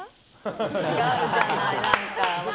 違うじゃない、何か。